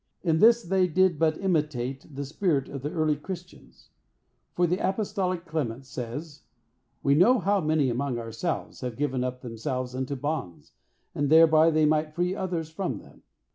In this they did but imitate the spirit of the early Christians; for the apostolic Clement says, "We know how many among ourselves have given up themselves unto bonds, that thereby they might free others from them."